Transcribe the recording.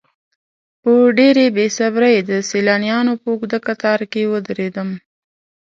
په ډېرې بې صبرۍ د سیلانیانو په اوږده کتار کې ودرېدم.